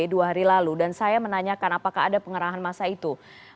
dua hari lalu dan saya menanyakan apakah ada pengerahan masa itu